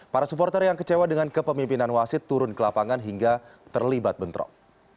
para supporter yang kecewa dengan kepemimpinan wasit turun ke lapangan hingga terlibat bentrok